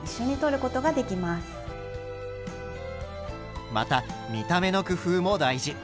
また見た目の工夫も大事。